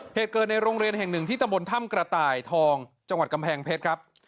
เหตุเกิดในโรงเรียนแห่งหนึ่งที่ตะบนถ้ำกระต่ายทองจังหวัดกำแพงเพชรครับ